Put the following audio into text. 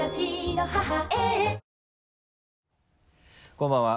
こんばんは。